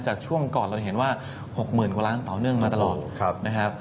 ช่วงก่อนเราเห็นว่า๖๐๐๐กว่าล้านต่อเนื่องมาตลอดนะครับ